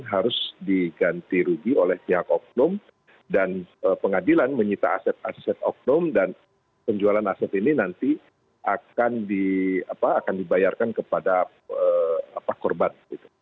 harus diganti rugi oleh pihak oknum dan pengadilan menyita aset aset oknum dan penjualan aset ini nanti akan dibayarkan kepada korban